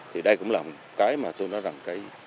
thì đây cũng là một cái mà tôi nói rằng cái